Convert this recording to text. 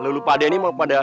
lo lupa deh ini mau kemana